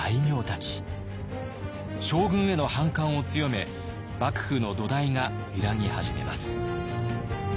将軍への反感を強め幕府の土台が揺らぎ始めます。